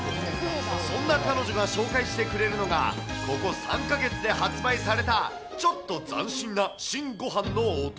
そんな彼女が紹介してくれるのが、ここ３か月で発売されたちょっと斬新な新ごはんのお供。